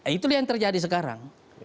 itulah yang terjadi sekarang